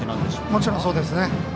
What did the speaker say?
もちろんそうですね。